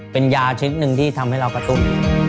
เป็นยาชนิดหนึ่งที่ทำให้เรากระตุ้น